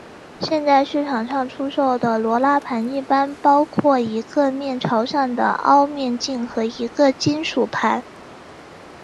现在市场上出售的欧拉盘一般包括一个面朝上的凹面镜和一个金属盘。